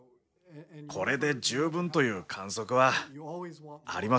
これで十分という観測はありません。